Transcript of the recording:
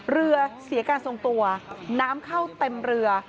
เรือเสียการทรงตัวน้ำเข้าเต็มเรือ